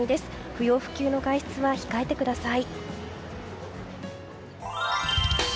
不要不急の外出は控えてください。